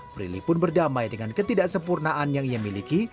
prilly pun berdamai dengan ketidaksempurnaan yang ia miliki